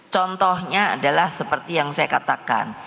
contohnya adalah seperti yang saya katakan